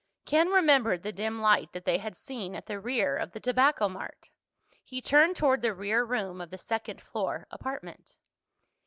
Ken remembered the dim light that they had seen at the rear of the Tobacco Mart. He turned toward the rear room of the second floor apartment.